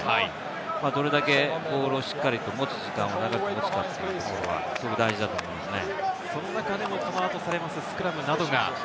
どれだけボールをしっかり持つ時間が長くなるかがすごく大事だと思いますね。